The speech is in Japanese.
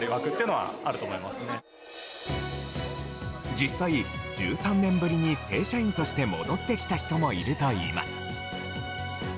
実際、１３年ぶりに正社員として戻ってきた人もいるといいます。